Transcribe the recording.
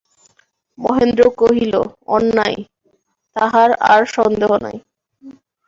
মহেন্দ্র কহিল, অন্যায়, তাহার আর সন্দেহ নাই।